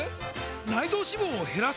内臓脂肪を減らす！？